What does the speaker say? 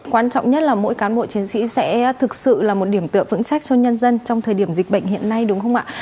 quan trọng nhất là mỗi cán bộ chiến sĩ sẽ thực sự là một điểm tựa vững chắc cho nhân dân trong thời điểm dịch bệnh hiện nay đúng không ạ